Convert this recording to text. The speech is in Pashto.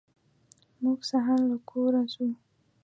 موږ سهار له کوره وځو.